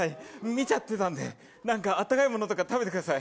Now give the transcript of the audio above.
見ちゃってたんで何か温かい物とか食べてください